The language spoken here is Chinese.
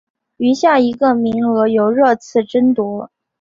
余下一个名额由热刺争夺。